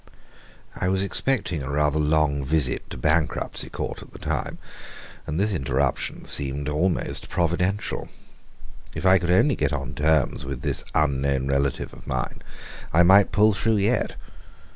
I was expecting a rather long visit to Bankruptcy Court at the time, and this interruption seemed almost providential. If I could only get on terms with this unknown relative of mine, I might pull through yet.